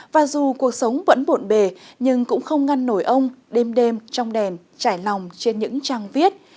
và dù cuộc sống vẫn bộn bề nhưng cũng không ngăn nổi ông đêm đêm trong đèn trải lòng trên những trang viết